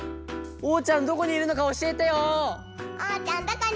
・おうちゃんどこにいるのかおしえてよ。